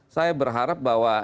saya berharap bahwa